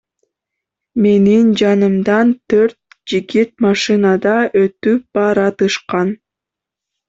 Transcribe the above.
Менин жанымдан төрт жигит машинада өтүп баратышкан.